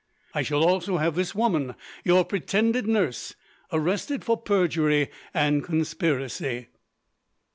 I shall also have this woman, your pretended nurse, arrested for perjury and conspiracy.